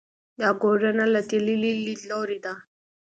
دا ګورنه له تحلیلي لیدلوري ده.